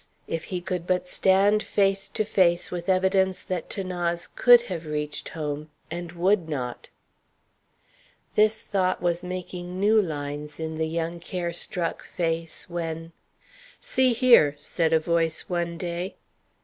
if he could but stand face to face with evidence that 'Thanase could have reached home and would not. This thought was making new lines in the young care struck face, when "See here," said a voice one day.